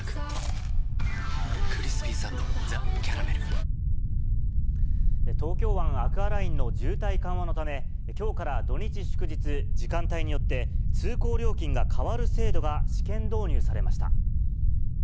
発災後３日間は、混乱などによりまして、東京湾アクアラインの渋滞緩和のため、きょうから土日祝日、時間帯によって、通行料金が変わる制度が試験導入されました。